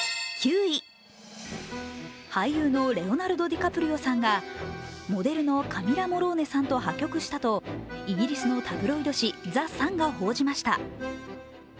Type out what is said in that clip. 俳優のレオナルド・ディカプリオさんがモデルのカミラ・モローネさんと破局したとイギリスのタブロイド紙「ザ・サン」が報じました。